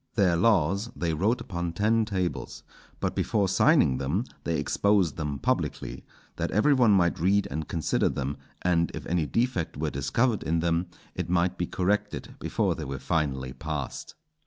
Their laws they wrote upon ten tables, but before signing them they exposed them publicly, that every one might read and consider them, and if any defect were discovered in them, it might be corrected before they were finally passed.